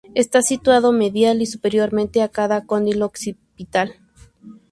Está situado medial y superiormente a cada cóndilo occipital.